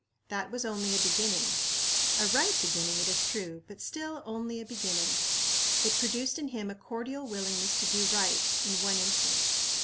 That was only a beginning a right beginning, it is true, but still only a beginning. It produced in him a cordial willingness to do right, in one instance.